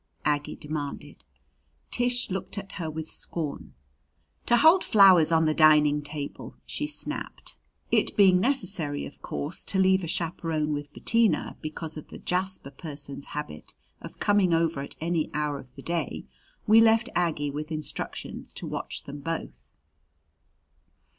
Aggie demanded. Tish looked at her with scorn. "To hold flowers on the dining table," she snapped. It being necessary, of course, to leave a chaperon with Bettina, because of the Jasper person's habit of coming over at any hour of the day, we left Aggie with instructions to watch them both.